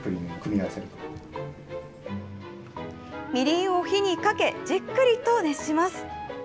みりんを火にかけ、じっくりと熱します。